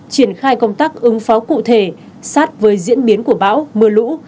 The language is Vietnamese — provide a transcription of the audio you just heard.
triển khai công tác ứng phó cụ thể sát với diễn biến của bão mưa lũ